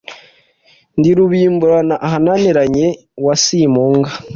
Ndi Rubimbura ahananiranye wa Simpunga